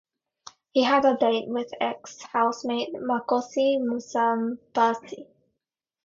He had a date with ex housemate Makosi Musambasi.